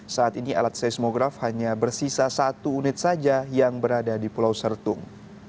saat ini alat seismograf hanya bersisa satu unit saja yang berada di pulau sertung